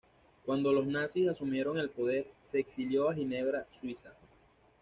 Cuando los nazis asumieron el poder, se exilió a Ginebra, Suiza.